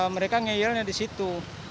mereka ngeyelnya di situ